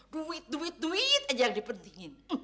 duit duit aja yang dipentingin